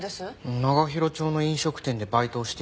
長広町の飲食店でバイトをしていたと聞きました。